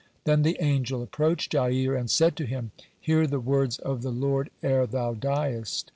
Then the angel approached Jair, and said to him: "Hear the words of the Lord ere thou diest.